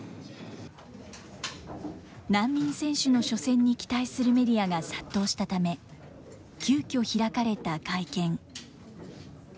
難民選手の初戦に期待するメディアが殺到したため、急きょ開かれた会見。